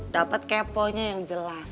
dapet kepo nya yang jelas